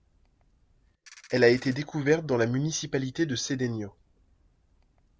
Elle a été découverte dans la municipalité de Cedeño.